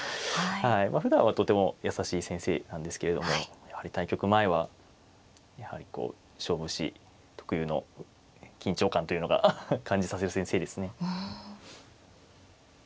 ふだんはとても優しい先生なんですけれどもやはり対局前はやはりこう勝負師特有の緊張感というのが感じさせる先生ですね。